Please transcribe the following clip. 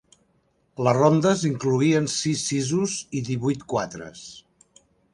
Les rondes incloïen sis sisos i divuit quatres.